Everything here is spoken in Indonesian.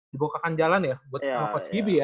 dibukakan jalan ya buat coach gibi ya